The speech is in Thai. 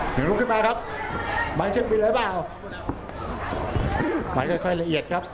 หนึ่งลูกขึ้นมาครับไม้ชึ้งมีเลยเปล่าไม้ค่อยค่อยละเอียดครับ